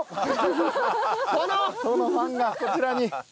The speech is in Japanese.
殿ファンがこちらに。